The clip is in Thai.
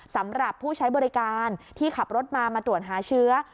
สำหรับผู้ใช้บริการที่ขับรถมามาตรวจหาเชื้อ